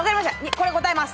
これ答えます。